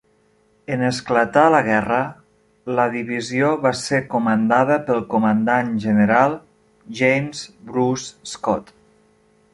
En esclatar la guerra, la divisió va ser comandada pel comandant general James Bruce Scott.